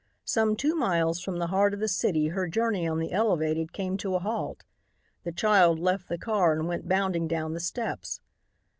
Some two miles from the heart of the city her journey on the elevated came to a halt. The child left the car and went bounding down the steps.